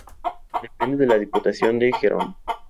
Depende de la Diputación de Gerona.